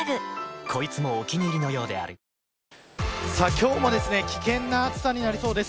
今日も危険な暑さになりそうです。